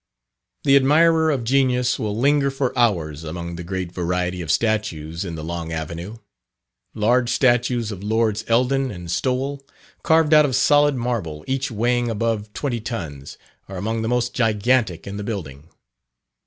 The admirer of genius will linger for hours among the great variety of statues in the long avenue. Large statues of Lords Eldon and Stowell, carved out of solid marble, each weighing above twenty tons, are among the most gigantic in the building.